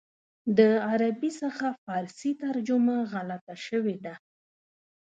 د عربي څخه فارسي ترجمه غلطه شوې ده.